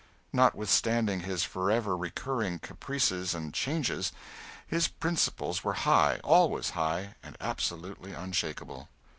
Notwithstanding his forever recurring caprices and changes, his principles were high, always high, and absolutely unshakable.